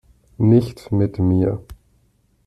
Nicht mit mir!